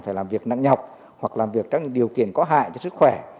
phải làm việc nặng nhọc hoặc làm việc trong những điều kiện có hại cho sức khỏe